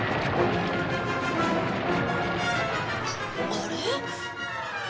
あれ？